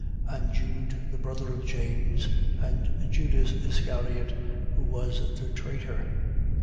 And Jude the brother of James, and Judas Iscariot, who was the traitor.